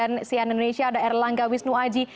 indramayu yang diambil dari api abadi desa majakerta indramayu